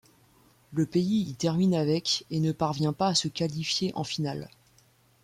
Le pays y termine avec et ne parvient pas à se qualifier en finale.